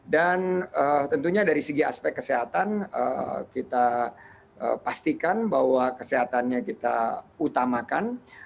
dan tentunya dari segi aspek kesehatan kita pastikan bahwa kesehatannya kita utamakan